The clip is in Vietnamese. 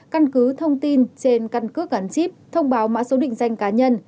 căn cứ thông tin trên căn cước gắn chip thông báo mã số định danh cá nhân